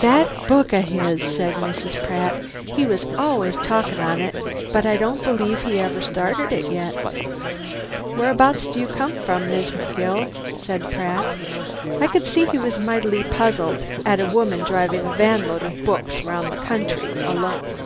"That book o' his!" said Mrs. Pratt. "He was always talkin' on it, but I don't believe he ever started it yet." "Whereabout do you come from, Miss McGill?" said Pratt. I could see he was mighty puzzled at a woman driving a vanload of books around the country, alone.